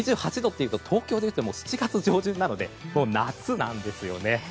２８度というと東京でいうと７月上旬なので夏なんですよね。